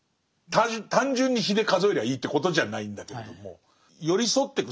単純に日で数えりゃいいということじゃないんだけれども寄り添ってく